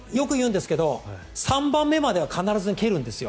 よく言うんですけど３番目までは必ず蹴るんです。